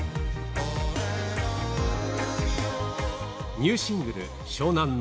ニューシングル、湘南乃